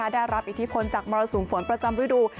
ได้รับอิทธิพลจากมรสุมฝนประจำฤดู